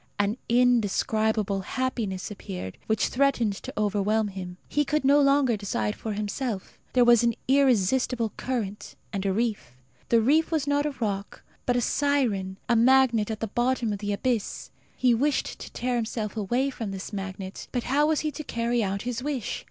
An indescribable happiness appeared, which threatened to overwhelm him. He could no longer decide for himself. There was an irresistible current and a reef. The reef was not a rock, but a siren a magnet at the bottom of the abyss. He wished to tear himself away from this magnet; but how was he to carry out his wish?